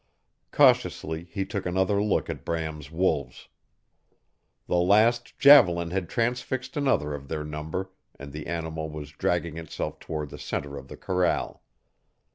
Cautiously he took another look at Bram's wolves. The last javelin had transfixed another of their number and the animal was dragging itself toward the center of the corral.